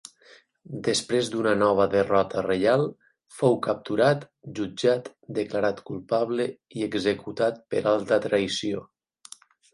Després d'una nova derrota reial fou capturat, jutjat, declarat culpable, i executat per alta traïció.